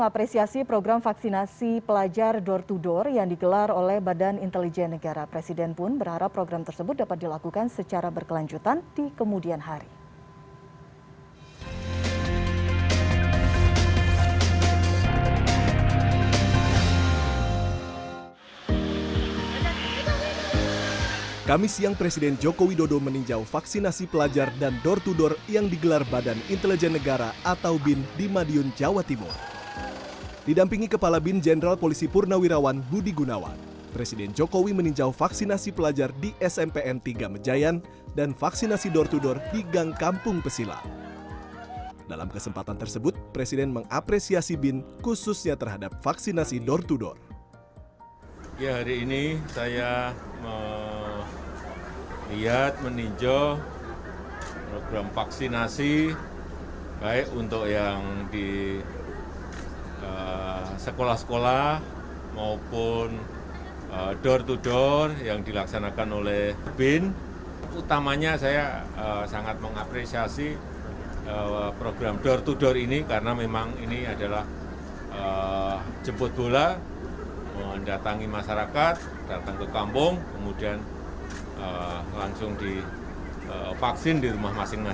presiden joko widodo mengapresiasi program vaksinasi pelajar door to door yang digelar oleh badan intelijen negara